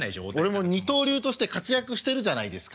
俺も二刀流として活躍してるじゃないですか。